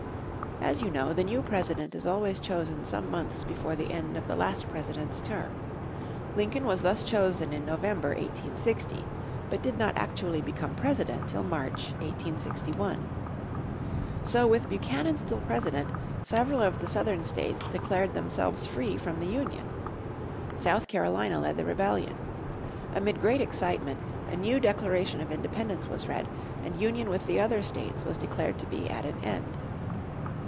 As you know, the new President is always chosen some months before the end of the last President's term. Lincoln was thus chosen in November, 1860, but did not actually become President till March, 1861. So with Buchanan still President, several of the Southern States declared themselves free from the Union. South Carolina led the rebellion. Amid great excitement, a new declaration of independence was read, and union with the other states was declared to be at an end.